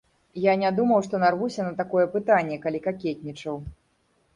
Я не думаў, што нарвуся на такое пытанне, калі какетнічаў.